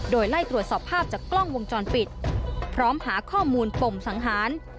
โดยไล่ตรวจสอบภาพจากกล้องวงจรปิดพร้อมหาข้อมูลปมสังหาร